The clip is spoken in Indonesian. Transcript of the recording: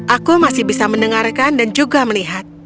aku masih bisa mendengarkan dan juga melihat